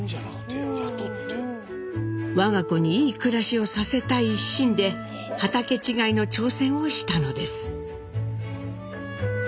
我が子にいい暮らしをさせたい一心で畑違いの挑戦をしたのです。